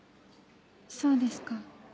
そうですか。